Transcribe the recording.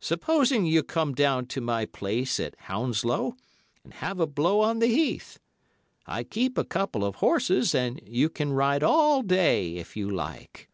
Supposing you come down to my place at Hounslow, and have a blow on the Heath. I keep a couple of horses, and you can ride all day if you like.